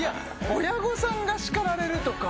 親御さんが叱られるとか。